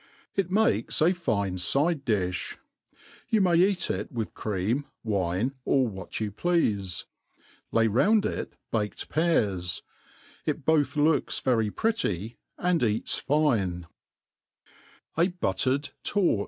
It makes a fine fide difh. You may eat it with cream, wine, or what you pleafe. Lay roun4 it leaked pears. It both k>oks very pretty, and eats fine, J buttered Tort.